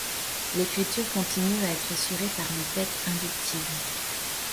L'écriture continue à être assurée par une tête inductive.